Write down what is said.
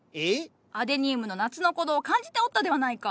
アデニウムの夏の鼓動を感じておったではないか。